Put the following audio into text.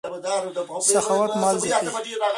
سخاوت مال زیاتوي.